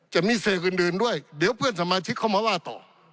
จะมีเสกอื่นด้วยเดี๋ยวเพื่อนสมาชิกเข้ามาว่าต่อ